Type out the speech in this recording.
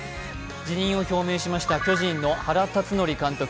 辞任を表明しました巨人の原辰徳監督。